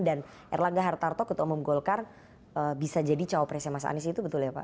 dan erlangga hartarto ketua umum golkar bisa jadi cowok presiden mas anies itu betul ya pak